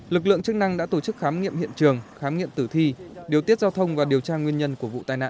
lực lượng chức năng đã tổ chức khám nghiệm hiện trường khám nghiệm tử thi điều tiết giao thông và điều tra nguyên nhân của vụ tai nạn